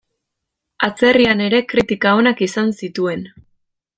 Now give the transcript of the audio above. Atzerrian ere kritika onak izan zituen.